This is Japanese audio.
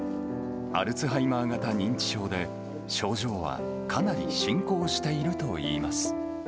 アルツハイマー型認知症で、症状はかなり進行しているといいます。